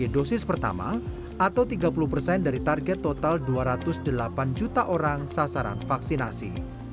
dosis pertama atau tiga puluh persen dari target total dua ratus delapan juta orang sasaran vaksinasi